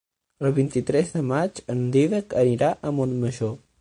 El vint-i-tres de maig en Dídac anirà a Montmajor.